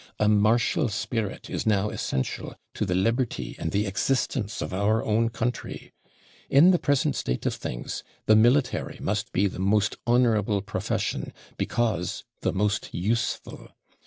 A martial spirit is now essential to the liberty and the existence of our own country. In the present state of things, the military must be the most honourable profession, because the most useful.